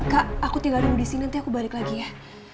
kak aku tinggal dulu di sini nanti aku balik lagi ya